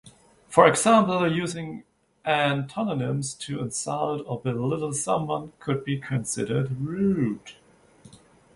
For example, using antonyms to insult or belittle someone could be considered rude.